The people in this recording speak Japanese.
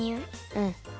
うん。